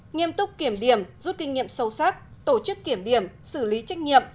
nghiêm túc kiểm điểm rút kinh nghiệm sâu sắc tổ chức kiểm điểm xử lý trách nhiệm